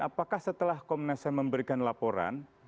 apakah setelah komnas ham memberikan laporan